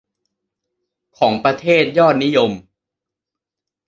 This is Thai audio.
ของประเทศยอดนิยม